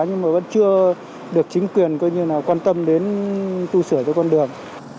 nhưng mà vẫn chưa được chính quyền quan tâm đến tu sửa cho con đường